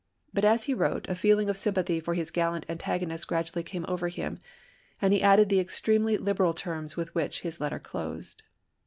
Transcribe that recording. But as he wrote, a feeling of sympathy for his gallant antagonist gradually came over him, and he added the extremely liberal terms with which his letter closed.